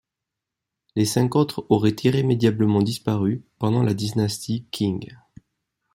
Les cinq autres auraient irrémédiablement disparu pendant la dynastie Qing.